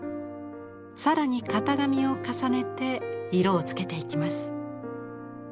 更に型紙を重ねて色をつけていきます。